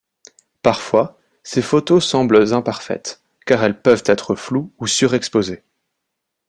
Parfois ses photos semblent imparfaites, car elles peuvent être floues ou surexposées.